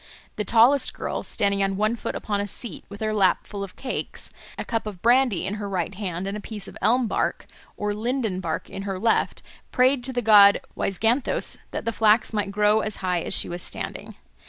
The tallest girl, standing on one foot upon a seat, with her lap full of cakes, a cup of brandy in her right hand and a piece of elm bark or linden bark in her left, prayed to the god Waizganthos that the flax might grow as high as she was standing.